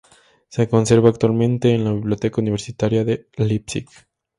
Se conserva actualmente en la biblioteca universitaria de Leipzig.